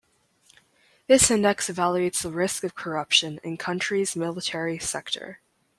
This index evaluates the risk of corruption in countries' military sector.